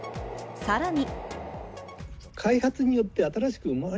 さらに。